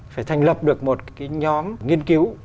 phải thành lập được một cái nhóm nghiên cứu